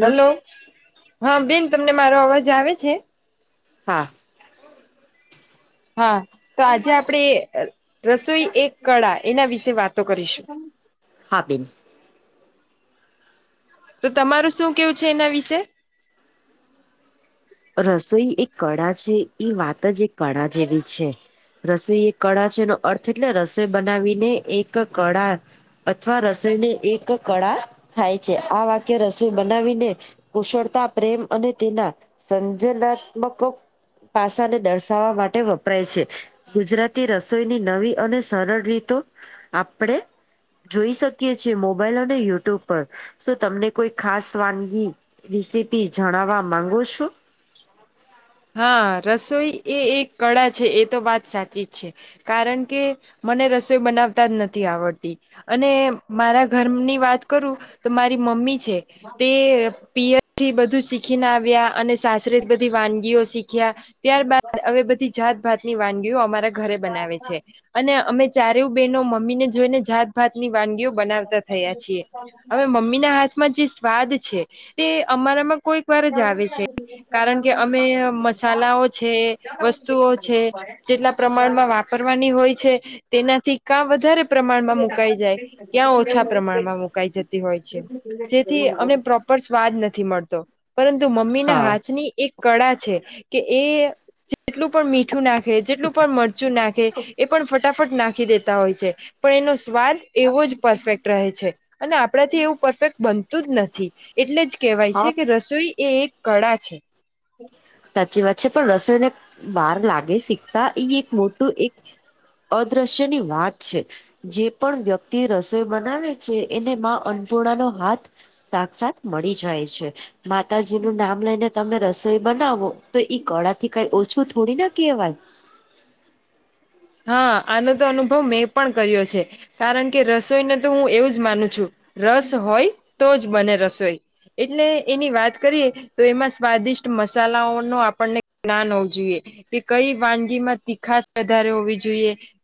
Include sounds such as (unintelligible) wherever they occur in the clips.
Hello- હા બેન તમને મારો અવાજ આવે છે. હા હા તો આજે આપણેે એ અ રસોઈ એક કળા એના વિશે વાતો કરીશું. હા બહેન તો તમારું શું કેવું છે એના વિશે રસોઈ એક કળા છે વાત જ એક કળા જેવી છે. રસોઈ એક કળા છે એનો અર્થ એટલે રસોઈ બનાવીને એક કળા અથવા રસોઈને એક કળા થાય છે આ વાક્ય રસોઈ બનાવીને કુશળતા પ્રેમ અને તેના સંજનાત્મકો પાસા ને દર્શાવવા માટે વપરાય છે. ગુજરાતી રસોઈની નવી અને સરળ રીતો આપણેે જોઈ શકીએ છીએ મોબાઈલ અને યુટ્યુબ પર શું તમને કોઈ ખાસ વાનગી રેસિપી જણવા માંગો છો. હા રસોઈ એ એક કળા છે એ તો વાત સાચી જ છે. કારણ કે- મને રસોઈ બનાવતા જ નથી આવડતી. અને મારા ઘરની વાત કરું -તો મારી મમ્મી છે. તે પીયર થી બધું શીખીને આવ્યા અને સાસરે બધી વાનગી તેઓ શીખ્યા ત્યારબાદ હવે બધી જાતભાતની વાનગીઓ અમારા ઘરે બનાવે છે. અને અમે ચારેય બહેનો મમ્મીને જોઈને જાતભાત ની વાનગીઓ બનાવતા થયા છીએ. હવે મમ્મી ના હાથમાં જે સ્વાદ છે તે અમારામાં કોઈક વાર જ આવે છે. કારણ કે અમે મસાલા ઓ છે વસ્તુ ઓ છે જેટલા પ્રમાણમાં વાપર કરવાની હોય છે તેનાથી કા વધારે પ્રમાણમાં મુકાઈ જાય કયાં ઓછા પ્રમાણમાં મુકાઈ જતી હોય છે જેથી અમને પ્રોપ ર સ્વાદ નથી મળતો પરંતુ મમ્મીના હા હાથની એક કળા છે કે એ જેટલું પણ મીઠું મીઠું નાખે જેટલું પણ મરચું નાખે એ પણ ફટાફટ નાખી દે તા હોય છે પણ એનો સ્વાદ એવો જ પરફેક્ટ રહે છે -અને આપણા થી એવું પરફેક્ટ બનતું જ નથી. એટલે જ કેહેવાય છે, હા કે રસોઈ એ એક કળા છે. સાચી વાત છે, પણ રસોઈને બહાર લાગે શીખતા ઈ એક મોટું એક અદ્રશ્યની વાત છે. જે પણ વ્યક્તિ રસોઈ બનાવે છે, એને માં અન્નપૂર્ણાનો હાથ સાક્ષાત મળી જાય છે, માતાજી નું નામ લઈને તમે રસ જો બનાવો તો ઈ કળા થી કઈ ઓછું થોડી ના કહેવાય. હા આનો તો અનુભવ મેં પણ કર્યો છે, કારણ કે રસોઈને તો હું એવું જ માનું છું. રસ હોય તો જ બને રસોઈ એટલે એની વાત કરીએ. તો એમાં સ્વાદિષ્ટ મસાલાઓ ન આપણને જ્ઞાન હોવું જોઈએ, દીકરી વાનગી માં તીખાસ વધાર. જો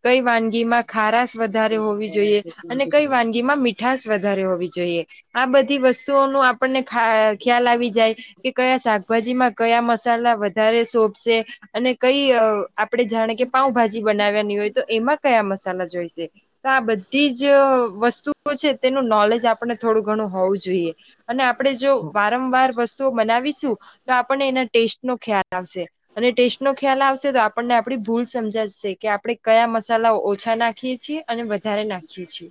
કઈ વાનગીમાં ખારાસ વધારે હોવી જોઈએ અને કઈ વાનગીમાં મી મીઠાસ વધારે હોવી જોઈએ, આ બધી વસ્તુઓનુ આપણને ખ્યાલ આવી જાય. કે કયા શાકભાજીમાં કયા મસાલા વધારે શોભશે અને કઈ આપણે જાણે કે પાઉભાજી બનાવવાની હોય તો એમાં કયા મસાલા જોઈશે. તો આ બધી જ વસ્તુઓ છે તેનું નોલેજ આપણે થોડું ઘણું હોવું જોઈએ, અને આપણે જો વારંવાર વસ્તુઓ બનાવીશું, તો આપણને એના ટેસ્ટ નો ખ્યાલ આવશે અને ટેસ્ટ નો ખ્યાલ આવશે તો આપણને આપણી ભૂલ સમજાશે. કે આપણે કયા મસાલા ઓછા નાખીએ છીએ અને વધારે નાખીએ છીએ.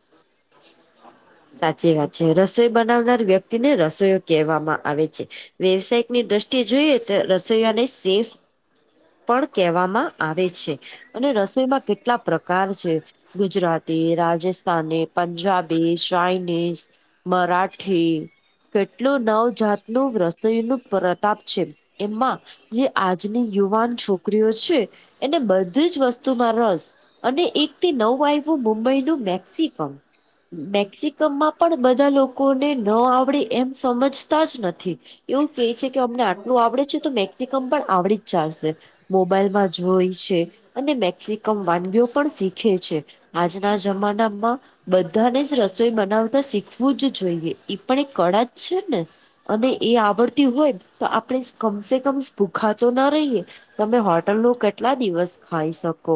સાચી વાત છે રસોઈ બનાવનાર વ્યક્તિ ને રસોઈયો કહેવામાં આવે છે. વ્યવસાયિકની દ્રષ્ટિએ જોઈએ તો રસોઈયાને સેફ પણ કહેવામાં આવે છે. અને રસોઈમાં કેટલા પ્રકાર છે, ગુજરાતી રાજસ્થાની પંજાબી ચાઈનીઝ મરાઠી કેટલું નવજાતનું રસોઈ નું પ્રતાપ છે, એમાં જે આજની યુવાન છોકરીઓ છે, એને બધી જ વસ્તુમાં રસ અને એકથી નવ આવ્યું મુંબઈનું મેક્સિમમ મેક્સિકમમાં પણ બધા લોકોને ન આવડે એમ સમજતા જ નથી. એવું કે છે કે અમને આટલું આવડે છે, તો મેક્સિકમ પણ આવડી જ જાશે. મોબાઈલમાં જોય છે, અને મેક્સિકમ વાનગીઓ પણ શીખે છે. આજના જમાનામાં બધાને જ રસોઈ બનાવતા શીખવું જ જોઈએ, ઈ પણ એક કળા જ છે ને. અને એ આવડતી હોય તો આપણે કમસે કમ ભૂખાતો ના રહીયએ. તમે હોટલ નું કેટલા દિવસ ખાઈ શકો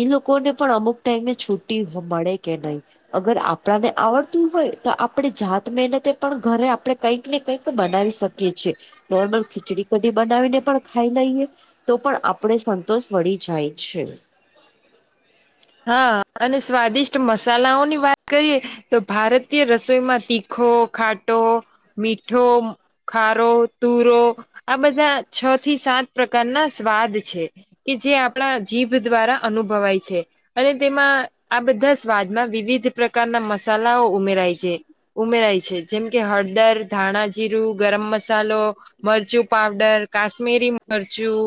એ લોકોને પણ અમુક ટાઈમે છુટી મળે કે નહી. અગર આપણાને આવડતું હોય તો આપણી જાત મહેનતે પણ ઘરે આપણે કંઈક ને કંઈક બનાવી શકીએ. કે છે નોર્મલ ખીચડી કદી બનાવીને પણ ખાઈ લઈએ. તો પણ આપણે સંતોષ વળી જાય છે. હા અને સ્વાદિષ્ટ મસાલાઓની વાત કરીએ તો ભારતીય રસોઈમાં તીખો ખાટ ટો મીઠો ખારો તુરો આ બધા છ થી સાત પ્રકારના સ્વાદ છે, કે જે આપણા જીભ દ્વારા અનુભવાય છે. અને તેમાં આ બધા સ્વાદમાં વિવિધ પ્રકારના મસાલાઓ ઉમેરાય (unintelligible) ઉમેરાય છે જેમ કે હળદર ધાણાજીીરું ગરમ મસાલો મરચું પાવડર કાશ્મીરી મરચું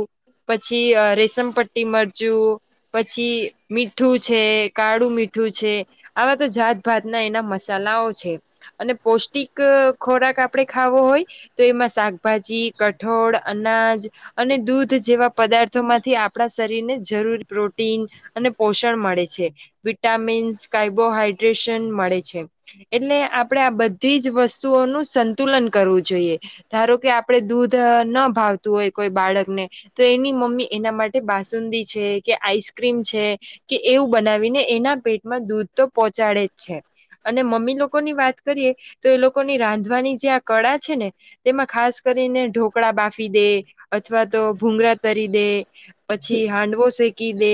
પછી રેશમ પટ્ટી મરચું પછી મીઠું છે કાળું મીઠું છે આવા તો જાતભાતના એના મસાલાઓ છે. અને પૌષ્ટિક ખોરાક આપડે ખાવો હોય તો એમાં શાકભાજી કઠોળ અનાજ અને દૂધ જેવા પદાર્થોમાંથી આપણા શરીર ને જરૂર પ્રોટીન અને પોષણ મળે છે, વિટામીન્સ કાર્બોહાઈડ્રેશન મળે છે. એટલે આપણેે આ બધી જ વસ્તુઓનું સંતુલન કરવું જોઈએ. ધારો કે આપડે દૂધ ન ભાવતું હોય કોઈ બાળકને તો એની મમ્મી એના માટે બાસુંદી છે કે આઈસક્રીમ છે કે એવું બનાવીને એના પેટમાં દૂધ તો પહોંચાડે જ છે અને મમ્મી લોકો ની વાત કરીએ તો એ લોકોની રાંધવાની જે આ કળા છે ને તેમાં ખાસ કરીને ઢોકળા બાફી દે અથવા તો ભૂંગરા તરી દે પછી હાંડવો શેકી દે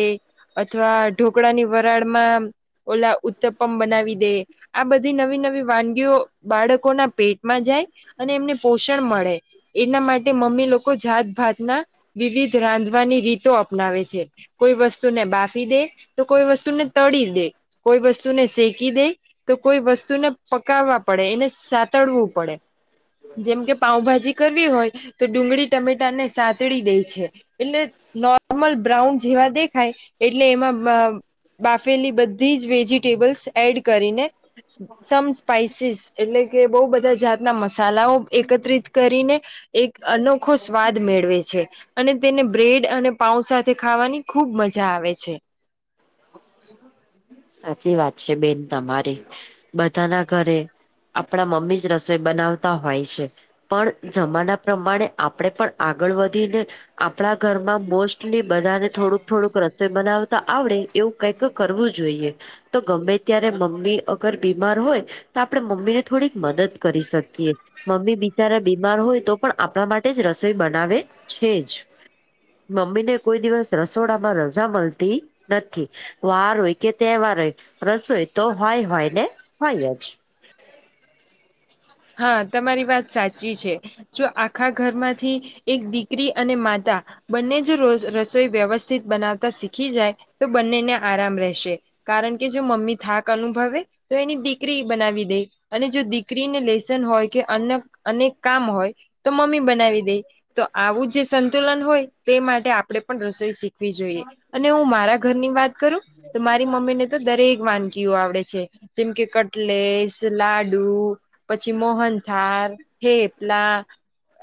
અથવા ઢોકળાની વરાળમાં ઓલા ઉત્તપમ બનાવી દે આ બધી નવી નવી વાનગીઓ બાળકોના પેટમાં જાય અને એમને પોષણ મળે એના માટે મમ્મી લોકો જાતભાતના વિવિધ રાંધવાની રીતો અપનાવે છે કોઈ વસ્તુને બાફી દે તો કોઈ વસ્તુને તળી દે કોઈ વસ્તુને શેકી દે તો કોઈ વસ્તુને પકાવવા પડે એને સાતડવું પડે જેમ કે પાઉભાજી કરવી હોય તો ડુંગળી ટમેટા ને સાતડી દે છે એટલે નોર્મલ બ્રાઉન જેવા દેખાય એટલે એમાં બાફેલી બધી જ વેજીિટેબલ્સ એડ કરીને સમ સ્પાઈસીસ એટલે કે બહુ બધા જાતના મસાલાઓ એકત્રિત કરીને એક અનોખો સ્વાદ મેળવે છે અને તેને બ્રેડ અને પાઉ સાથે ખાવાની ખુબ મજા આવે છે સાચી વાત છે બેન તમારી બધાના ઘરે આપણા મમ્મી જ રસોઈ બનાવતા હોય છે પણ જમાના પ્રમાણે આપણે પણ આગળ વધીને આપણા ઘરમાં મોસ્ટલી બધાને થોડુંક થોડુંક રસોઈ બનાવતા આવડે, એવું કંઈક કરવું જોઈએ તો ગમે ત્યારે મમ્મી અગર બીમાર હોય, તો આપણે મમ્મીને થોડીક મદદ કરી શકીએ. મમ્મી બિચારા બીમાર હોય તો પણ આપણા માટે જ રસોઈ બનાવે છે, જ મમ્મી ને કોઈ દિવસ રસોડામાં રજા મળતી નથી વાર હોય કે, તહેવાર હોય રસોઈ તો હોય હોય ને હોય જ, હા તમારી વાત સાચી છે. જો આખા ઘરમાંથી એક દીકરી અને માતા, બંને જ રોજ રસોઈ વ્યવસ્થિત બનાવતા શીખી જાય તો બંનેને આરામ રહેશે. કારણ કે જો મમ્મી થાક અનુભવે તો એની દીકરી બનાવી દે અને જો દીકરીને લે, (unintelligible) કામ હોય તો મમ્મી બનાવી દે, આવું જે સંતુલન હોય તે માટે આપડે પણ રસોઈ શીખ, વી જોઈએ અને હું મારા ઘર ની વાત કરું તો મારી મમ્મી ને, તો દરેક વાનગીઓ આવડે છે જેમ કે કટલેસ લાડુ, પછી મોહન થાળ થેપલા,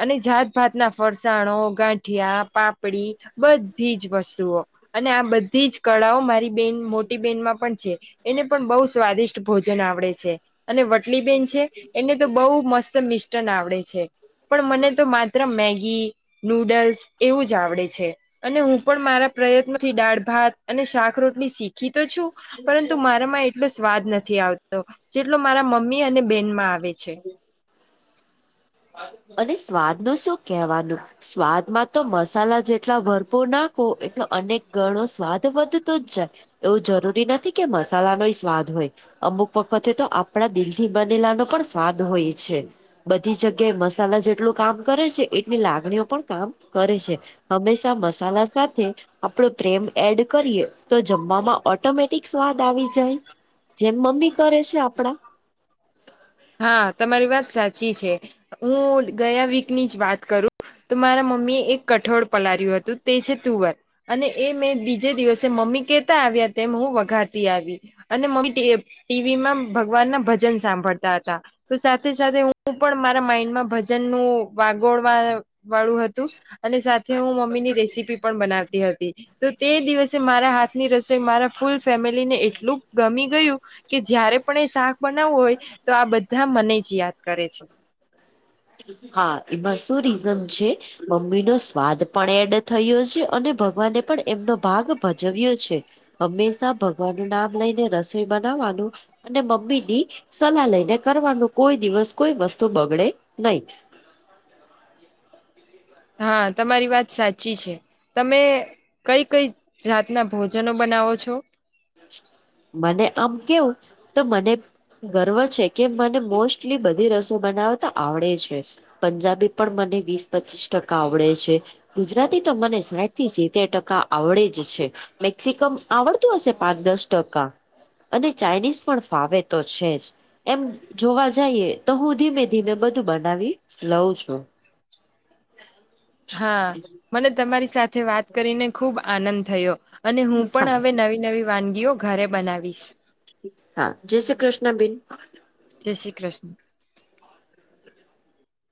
અને જાતજાતના ફરસાણો ગાંઠિયા પાપડી બધી જ વસ્તુઓ, અને આ બધી જ કળાઓ મારી બેન મોટી બેહેન માં પણ છે એને, પણ બહું સ્વાદિષ્ટ ભોજન આવડે છે અને વચ્ચલીબેન છે, એને તો બહુ મસ્ત મિસ્ટન આવડે છે. પણ મને તો માત્ર મેગી, નૂડલ્સ એવું જ આવડે છે. અને હું પણ મારા પ્રયત્નોથી દાળ ભાત અને શાક રોટલી શીખી તો છું. પરંતુ મારામાં એટલો સ્વાદ નથી આવતો જેટલો મારા મમ્મી અને બેન માં આવે છે. અને સ્વાદ નું શું કેહેવાનું, સ્વાદમાં તો મસાલા જેટલા ભરપૂર નાખો એટલો અનેક ગણો સ્વાદ વધતો જ જાય. એવું જરૂરી નથી કે મસાલાનો સ્વાદ હોય, અમુક વખતે તો આપણા દિલ થી બનેલા નો પણ સ્વાદ હોય છે. બધી જગ્યાએ મસાલા જેટલું કામ કરે છે એટલી લાગણીઓ પણ કામ કરે છે. હંમેશા મસાલા સાથે, આપડો પ્રેમ એડ કરીએ તો જમવામાં ઓટોમેટિક સ્વાદ આવી જાય‌. જેમ મમ્મી કરે છે આપડા, હા તમારી વાત સાચી છે હું ગયા વીકની જ વાત કરું, તો મારા મમ્મી એ એક કઠોળ પલાર્યું હતું તે છે તુવર, અને એ મેં બીજે દિવસે મમ્મી કે, આવ્યા તેમ હું વઘારતી આવી અને મમ્મી ટીવીમાં ભગવાન ના ભજન સાંભળતા, તો સાથે સાથે હું પણ મારા માઈન્ડમાં ભજન નું વાગોડવા, વાળું હતું, અને સાથે હું મમ્મી ની રેસીપી પણ બનાવતી હતી તો તે દિવસે મારા હાથ, ની રસોઇ મારા ફૂલ ફેમિલીને એટલું ગમી ગયું કે જ્યારે, આપણે શાક બનાવવું હોય તો આ બધા મને જ યાદ કરે છે. હા એમાં શું રીઝન છે, મમ્મી નો સ્વાદ પણ એડ થયો છે અને ભગવાને પણ એમનો ભાગ ભજવ્યો છે. હંમેશા ભગવાનનું નામ લઈને રસોઈ બનાવવાનું, અને મમ્મી ની સલાહ લઈને કરવાનું કોઈ દિવસ કોઈ વસ્તુ બગડે નહી. હા તમારી વાત સાચી છે તમે, કઈ કઈ જાતના ભોજનો બનાવો છો, મને આમ કેવું તો મને, ગર્વ છે કે મને મોસ્ટલી બધી રસોઇ બનાવ તો આવડે છે. પંજાબી પણ મને વીસ પચીસ ટકા આવડે છે. ગુજરાતી તો મને સાઠ થી સિત્તેર ટકા આવડે જ છે મેક્સિમમ આવડતું હશે. પાંચ દસ ટકા અને ચાઇનીઝ પણ ફાવે તો છે જ. એમ જોવા જઈએ તો હું ધીમે ધીમે બધું બનાવી લઉં છું. હા મને તમારી સાથે વાત કરીને ખુબ આનંદ થયો. અને હું પણ હા હવે નવી નવી વાનગીઓ ઘરે બનાવીશ. હા જય શ કૃષ્ણ બેન. જય શ્રી કૃષ્ણ.